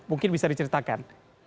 mungkin bisa diceritakan